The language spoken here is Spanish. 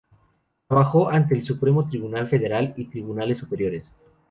Trabajó ante el Supremo Tribunal Federal y tribunales superiores.